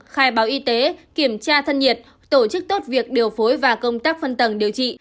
khai báo y tế kiểm tra thân nhiệt tổ chức tốt việc điều phối và công tác phân tầng điều trị